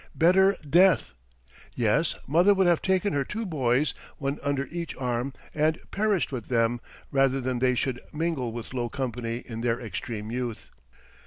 Better death. Yes, mother would have taken her two boys, one under each arm, and perished with them rather than they should mingle with low company in their extreme youth.